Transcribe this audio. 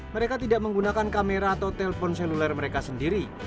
mereka tidak menggunakan kamera atau telpon seluler mereka sendiri